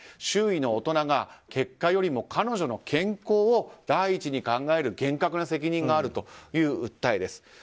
周囲の大人が結果よりも彼女の健康を第一に考える厳格な責任があるという訴えです。